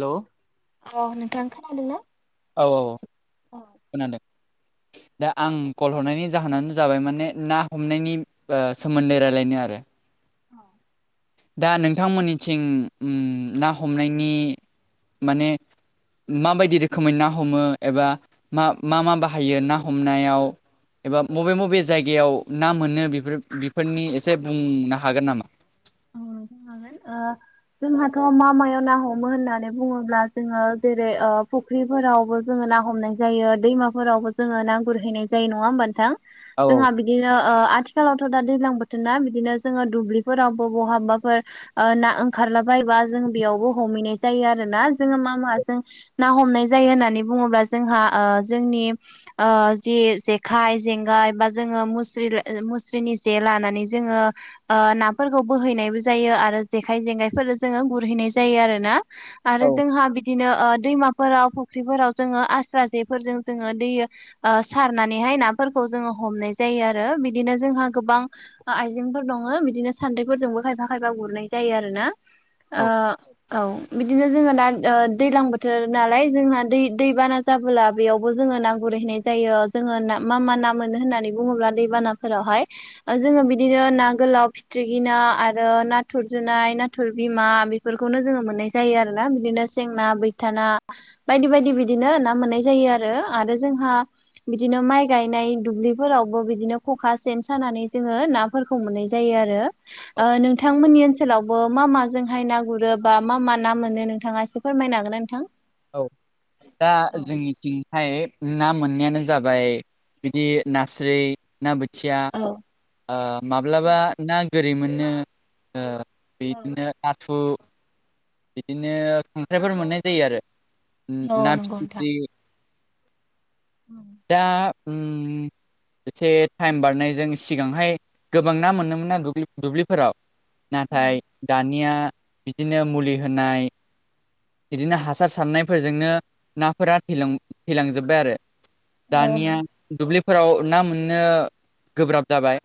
Hello? अ नोंथां खोनादों ना? औ औ औ खोनादों। दा आं कल हरनायनि जाहोनानो जाबाय माने ना हमनायनि ओ सोमोन्दै रायलायनो आरो। औ दा नोंथांमोननिथिं ना हमनायनि माने माबायदि रोखोमै ना हमो एबा मा मा बाहायो ना हमनायाव एबा बबे बबे जायगायाव ना मोनो बेफोर बेफोरनि एसे बुंनो हागोन नामा म ओ जोंहाथ' मा मायाव ना हमो होननानै बुङोब्ला जोङो जेरै ओ फ फुख्रिफोरावबो जोङो ना हमनाय जायो दैमाफोरावबो जोङो ना गुरहैनाय जायो नङा होमबा नोंथां औ जोंहा बिदि बिदिनो आथिखालावथ' दा दैज्लां बोथोर ना बिदिनो जोङो दुब्लिफोराव बहाबाफोर ना ओंखारलाबायबा जों बेयावबो हमहैनाय जायो आरो ना जोङो मा मा जों ना हमनाय जायो होननानै बुङोब्ला जोंहा जोंनि जि जेखाइ जेंगाय बा जोङो मुस्रि मुस्रिनि जे लानानै जोङो नाफोरखौ बोहैनायबो जायो आरो जेखाय जेंखायफोर जोङो गुरहैनाय जायो आरोना औ आरो जोंहा बि बिदिनो दैमाफोराव फुख्रिफोराव जोङो आस्रा जेफोरजों जोङो दैयो सारनानैहाय नाफोरखौ जोङो हमनाय जायो आरो बिदिनो जोंहा गोबां आइजेंफोर दङ बिदिनो सान्दैफोरजोंबो खायफा खायफा गुरनाय जायो आरो ना औ औ बिदिनो जोङो दा दैज्लां बोथोर नालाय जोंना दै दैबाना जाबोला बेयावबो जोङो ना गुरहैनाय जायो जोङो मा मा ना मोनो होननानै बुङोब्ला दैबानाफोरावहाय जोङो बिदिनो ना गोलाव फिथ्रिखि ना आरो आरो नाथुर जुनाय नाथुर बिमा बेफोरखौनो जोङो मोननाय जायो आरोना बिदिनो सेंना बैथाना बायदि बायदि बिदिनो ना मोननाय जायो आरो आरो जोंहा बिदिनो माइ गायनाय दुब्लिफोरावबो बिदिनो खखा सेन सानानै जोङो ना फोरखौ मोननाय जायो आरो औ ओ नोंथांमोननि ओनसोलावबो मा माजोंहाय ना गुरो बा मा मा ना मोनो नोंथाङा एसे फोरमायनो हागोन ना नोंथां औ दा जोंनिथिंहाय ना मोननायानो जाबाय बिदि नास्राय ना बोथि खुसिया माब्लाबा ना गोरै मोननो बेदिनो नाथु बिदिनो खांख्राइफोर मोननाय जायो आरो ना फिथिख्रि उ दा उम एसे टाइम बारनायजों सिगांहाय गोबां ना मोनोमोन ना दुब्लिफोराव नाथाय दानिया बिदिनो मुलि होनाय बिदिनो हासार सारनायफोरजोंनो नाफोरा थ थैलांजोब्बाय आरो दानिया दुब्लिफोराव ना मोननो गोब्राब जाबाय।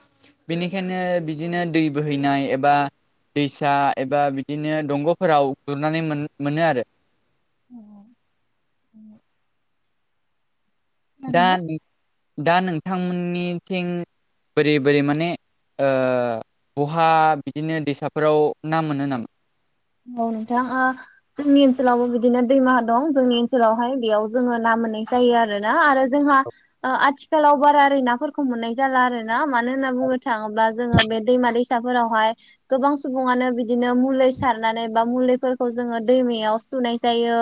बेनिखायनो बिदिनो दै बोहैनाय एबा। दैसा एबा बिदिनो दंग'फोराव गुरनानै मोनो आरो अ दा दा नोंथांमोननिथिं बोरै बोरै माने बहा बिदिनो दैसाफोराव ना मोनो नामा। औ नोंथां ओ जोंनि ओनसोलावबो बिदिनो दैमाहा दं जोंनि ओनसोलावहाय बेयाव जोङो ना मोननाय जायो आरोना आरो जोंहा। आथिखालाव बारा ओरै नाफोरखौ मोननाय जाला आरो ना मानो होनना बुंनो थाङोब्ला जोङो बे दैमा दै साफोरावहाय गोबां सुबुंआनो बिदिनो मुलि। सारनानै बा मुलिफोरखौ जोङो दैमायाव सुनाय जायो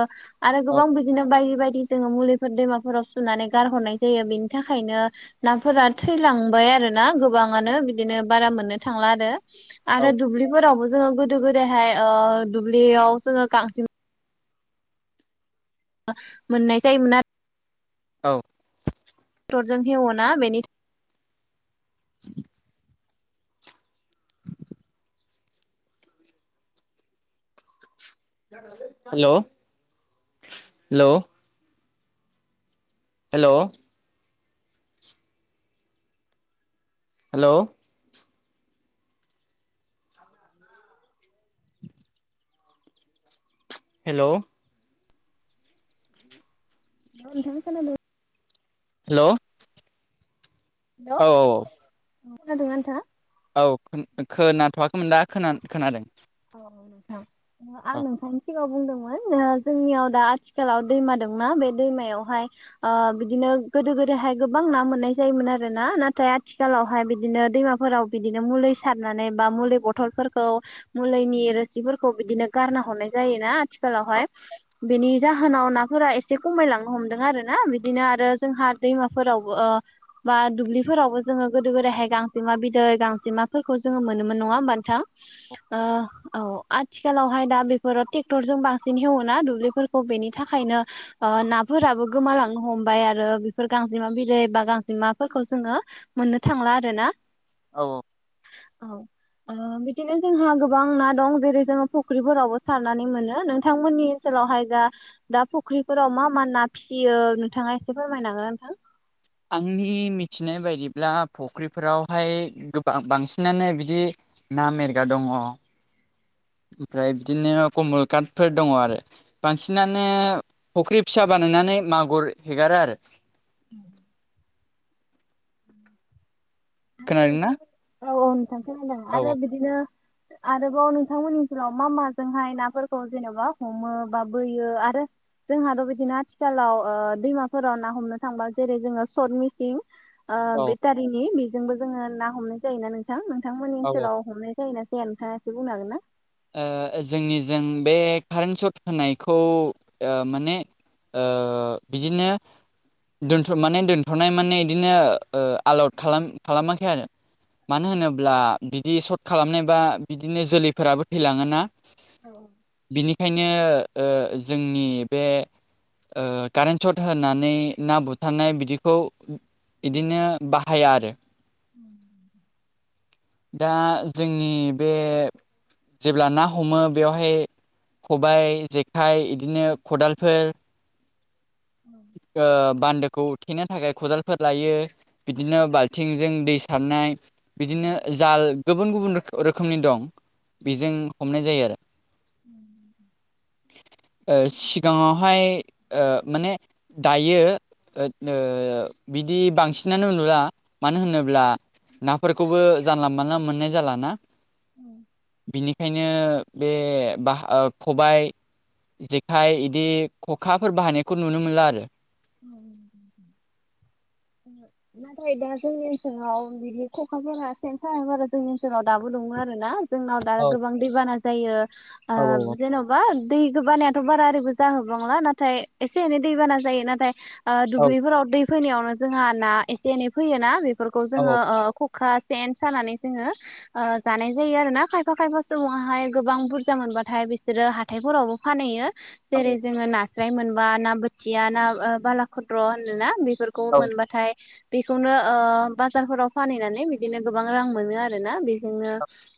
आरो औ गोबां बिदिनो बायदि बायदि। जोङो मुलिफोर दैमाफोराव सुनानै गारहरनाय जायो बेनि थाखायनो नाफोरा थैलांबाय आरोना गोबाङानो बिदिनो बारा मोननो थांला आरो आरो औ दुब्लिफोरावबो जोङो गोदो गोदायहाय दुब्लियाव जोङों गांजेमा मोननाय थायोमोन आरो औ ट्रेक्टरजों एवोना बेनि [inaudible] हेल' हेल' हेल' हेल' हेल' नोंथां खोनादों? हेल' हेल' औ खोनादोंना नोंथाङा? औ खोनाथ'वाखैमोन दा खोनादों। औ नोंथां आं औ नोंथांनिसिम सिगाङाव बुंदोंमोन जोंनियाव दा आथिखालाव दैमा दंना बे दैमायावहाय ओ बिदिनो गोदो गोदाहाय गोबां ना मोननाय जायोमोन आरो ना नाथाय आथिखालावहाय बिदिनो दैमाफोराव बिदिनो मुलि सारनानै बा मुलि बथलफोरखौ मुलिनि रोसिफोरखौ बिदिनो गारना हरनाय जायोना आथिखालावहाय। बेनि जाहोनाव नाफोरा एसे खमायलांनो हमदों आरो ना बिदिनो आरो जोंहा दैमाफोरावबो बा दुब्लिफोरावबो जोङो गोदो गोदायहाय गांजेमा बिदै गांजेमाफोरखौ जोङो मोनोमोन नङा होमबा नोंथां? ओ औ आथिखालावहाय दा बेफोरो ट्रेक्टरजों बांसिन एवोना दुब्लिफोरखौ बेनि थाखायनो नाफोराबो गोमालांनो हमबाय आरो बेफोर गांजेमा बिदै बा गांजेमाफोरखौ जोङो मोननो थांला आरोना? औ औ बिदिनो जोंहा गोबां ना दं जेरै जोङो फुख्रिफोरावबो सारनानै मोनो नोंथांमोननि ओनसोलावहाय जा दा फुख्रिफोराव मा मा ना फिसियो नोंथाङा एसे फोरमायनांगोन नोंथां? आंनि मिथिनाय बायदिब्ला फुख्रिफोरावहाय गोबां बांसिनानो बिदि ना मेरगा दङ। ओमफ्राय बिदिनो कमल काटफोर दङ आरो। बांसिनानो फुख्रि फिसा बानायनानै मागुर हेगारो आरो। आरो खोनादोंना? नोंथां औ औ नोंथांखौ औ आरो बिदिनो। आरोबाव नोंथांमोननि ओनसोलाव मा माजोंहाय नाफोरखौ जेनेबा हमो बा बोयो आरो जोंहाथ' बिदिनो आथिखालाव दैमाफोराव ना हमनो थांबा जेरै जोङो सर्ट मिसिन औ बेटारिनि बेजोंबो जोङो ना हमनाय जाय ना नोंथां नोंथांमोननि औ ओ ओनसोलाव हमनाय जायोना जाया नोंथाङा बुंनो हागोन ना? जोंनिजों बे कारेन्ट सट होनायखौ माने ओ बिदिनो दोन माने दोनथ'नाय माने बिदिनो ओ आलद खालाम खालामाखै आरो। मानो होनोब्ला बिदि सर्ट खालामनायबा बिदिनो जोलैफोराबो थैलाङोना? औ बिनिखायनो जोंनि बे ओ कारेन्ट सर्ट होनानै ना बुथारनाय बिदिखौ बिदिनो बाहाया आरो। [inaudible] दा जोंनि बे जेब्ला ना हमो बेवहाय खबाइ, जेखाइ बिदिनो खदालफोर [inaudible] ओ बान्दोखौ थेनो थाखाय खदालफोर लायो बिदिनो बालथिंजों दै सारनाय बिदिनो जाल गुबुन गुबुन रोखोमनि दं। बेजों हमनाय जायो आरो उम सिगाङावहाय माने दायो बिदि बांसिनानो नुला मानो होनोब्ला नाफोरखौबो जानला मोनानला मोननाय जालाना बिनि ओंखायनो बे ब खबाय जेखाइ बिदि खखाफोर बाहायनायखौ नुनो मोनला आरो उम नाथाय दा जोंनि ओनसोलाव बिदि खखाफोरा सेन साब आरो जोंनि ओनसोलाव दाबो दङ आर ना जोंनाव दा औ गोबां दैबाना जायो आ औ जेन' बा दै बानायाथ' बारा ओरैबो जाहोबांला नाथाय एसे एनै दै बाना जायो नाथाय दुब्लिफोराव दै फैनायावनो जोंहा ना एसे एनै फैयोना बेफोरखौ औ जोङो खखा जेन सानानै जोङो जानाय जायो आरो ना खायफा खायफा समावहाय गोबां बुरजा मोनबाथाय बिसोरो ह हााथथायफोरावबो फानहैयो जेरै जोङो नास्राय मोनबा ना बोथिया ना बाला खद्र' होनोना बेफोरखौ खौ औ मोनबाथाय बेखौनो बाजारफोराव फानहैनानै बिदिनो गोबां रां मोनो आर ना बेजोंनो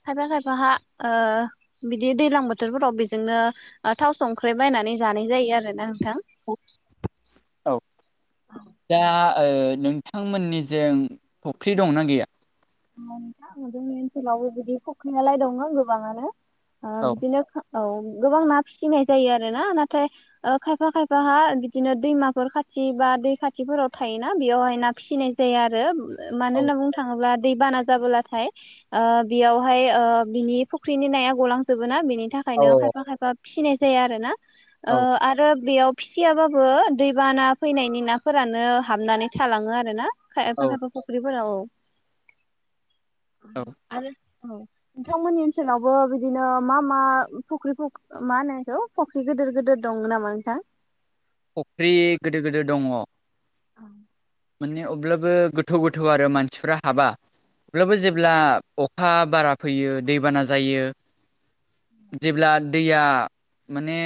खायफा खायफा ओ बिदि दैलां बोथोरफोराव बेजोंनो थाव संख्र्रि बायनानै जानाय जायो आरो ना नोंथां औ औ दा नोंथांमोननिजों फख्रि दंनाा गैया नोंथां जोंनि ओनसोलावबो बिदि फख्रिनाालाय दङ गोबाङानो औ बिदिनो औ गोबां ना फिसिनाय जायो आरो ना नाथाय खायफा खायफाहा बिदिनो दैमाफोर खाथि बा दै खाथिफोराव थायोना बेवहाय ना फिसिनाय जाया आरो मानो औ होनना बुंनो थाङोब्ला दै बाना जाबोलाथाय बेयावहाय बिनि फुख्रिनि नाया गलांजोबोोना बिनि थाखाय नो औ खायफा खायफा फिसिनाय जायो आरोोना औ आरो बेयाव फिसियाबाबो दैबाना फैनायनि नाफोरानो हाबनानै थालाङो आरो ना एफा औ सफा फाखख्रिबो औ औ आरो औ नोंथांमोननि ओनसोलावबो बिदिनो मा मा फुख्रि मा होनोखौ फुख्रि गिदिर गिदिर दं नामा नोंथां? फुख्रि गोिदो गोदिर दङ। औ माने अब्लाबो गोथौ गोथौ आरो मानसिफ्रा हाबा। अब्लाबो जेब्ला अखा बारा फैयो दैबाना जायो जेब्ला दैया माने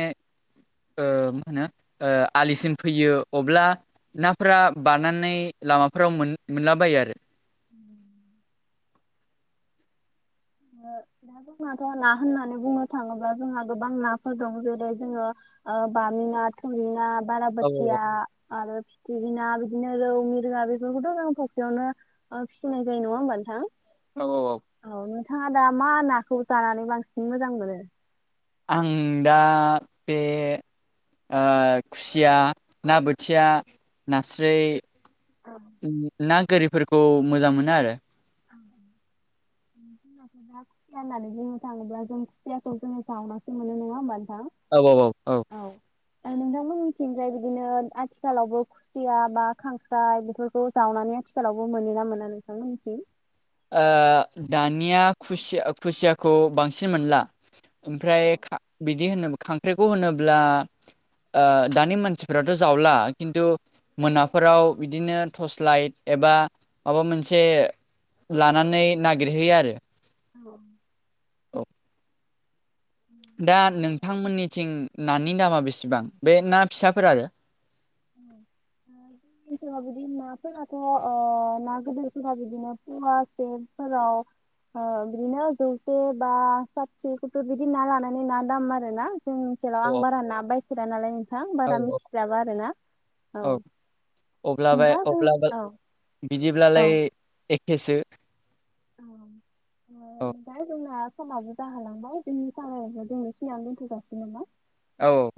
ओ मा होनो ओ आलिसिम फैयो अब्ला नाफोरा बारनानै लामाफोराव मोनलाबायो आरो उम। दा जोंनााथ' ना होननानै बुंनो थाङोब्ला जोंहा गोबां नाफोर दं जेरै जोङो ओ बामिना थुरिना बारा औ बाथिया आरो फिथि बिना बिदिनो रौ मिरङा बेफोरखौथ' जों फसेयावनो फिसिनाय जायो‌नङा होनबा नोंथां। औ औ। औ नोंथाङा दा मा नाखौ जानानै बांसिन मोजां मोनो। आं दा बे ओ खुसिया ना बोथिया नास्राय औ ना गोरिफोरखौ मोजां मोनो आरो [inaudible] जों' दा खुसिया होननानै जोङो थाङोब्ला जों खुसियाखौ जोङो जावनासो मोनो नङा होमबा नोंथां औ औ औ औ नोंथांमिथिनोस बिदिनो आथिखालावबो खुसिया बा खांख्राय बेफोरखौ जावनानै आथिखालावबो मोनोना मोना नोंथांमोननिसिम ओ दानिया खुसिया खुसियाखौ बांसिन मोनला ओमफ्राय औ बिदि होनोब्ला खांख्राइखौ होनोब्ला ओ दानि मानसिफ्राथ' जावला खिन्थु मोनाफोराव बिदिनो टर्स लाइट एबा माबा मोनसे लानानै नागिरहैयो आरो औ औ दा नोंथांमोननिथिं नानि दामा बेसेबां बे ना फिसाफोर आरो उ [inaudible] बिदिनो नाफोराथ' ना गदैफोरा बिदिनो पवासेफोराव ओ बिदिनो जौसे बा सासेखौथ' बिदि ना लानानै ना दाम आरोना जों हटेलाव आं अ बारा ना बायफेरा नालाय नोंथां औ बारा औ मिथिजाबा आर ना औ अब्लाबे नोंथां जों अब्लाबो औ औ बिदिब्लालाय एखेसो औ औ दा जोंना समाबो जाहालांबाय जोंनि स जोंनि सिनायानो दोनथ'गाासै नामा। औ